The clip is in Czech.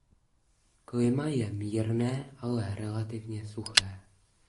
Klima je mírné ale relativně suché.